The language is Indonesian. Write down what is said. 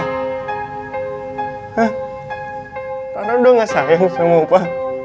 hah rara udah gak sayang sama opa